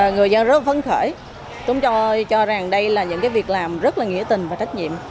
người dân rất là phấn khởi chúng tôi cho rằng đây là những cái việc làm rất là nghĩa tình và trách nhiệm